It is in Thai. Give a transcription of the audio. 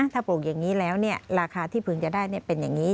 ถ้าปลูกอย่างนี้แล้วราคาที่พึงจะได้เป็นอย่างนี้